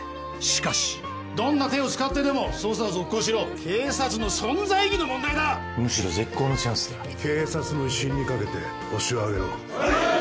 しかし・どんな手を使ってでも捜査を続行しろ警察の存在意義の問題だむしろ絶好のチャンスだ警察の威信にかけてホシを挙げろはい！